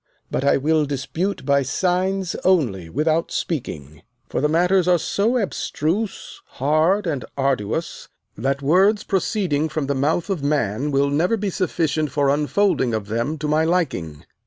But I will dispute by signs only without speaking, for the matters are so abstruse, hard, and arduous, that words proceeding from the mouth of man will never be sufficient for unfolding of them to my liking.